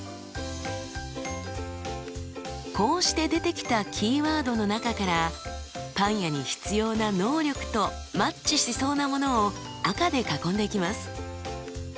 こうして出てきたキーワードの中からパン屋に必要な能力とマッチしそうなものを赤で囲んでいきます。